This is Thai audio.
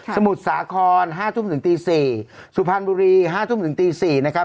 มุทรสาคร๕ทุ่มถึงตี๔สุพรรณบุรี๕ทุ่มถึงตี๔นะครับ